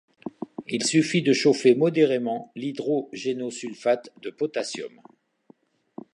Il suffit de chauffer modérément l'hydrogénosulfate de potassium.